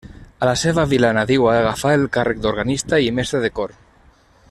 A la seva vila nadiua agafà el càrrec d'organista i mestre de cor.